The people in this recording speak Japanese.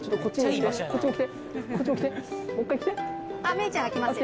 メイちゃんが来ますよ。